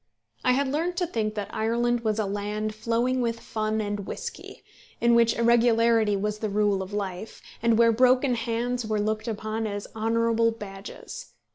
I had learned to think that Ireland was a land flowing with fun and whisky, in which irregularity was the rule of life, and where broken heads were looked upon as honourable badges.